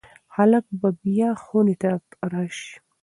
هلک به بیا خونې ته راشي.